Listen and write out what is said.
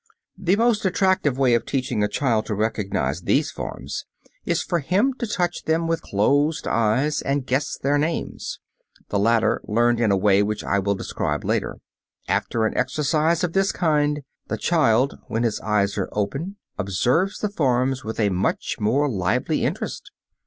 The most attractive way of teaching a child to recognize these forms is for him to touch them with closed eyes and guess their names, the latter learned in a way which I will describe later. After an exercise of this kind the child when his eyes are open observes the forms with a much more lively interest.